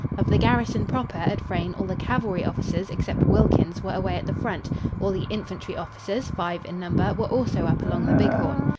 Of the garrison proper at Frayne all the cavalry officers except Wilkins were away at the front; all the infantry officers, five in number, were also up along the Big Horn.